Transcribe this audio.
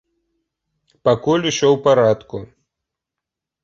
Пакуль усё ў парадку.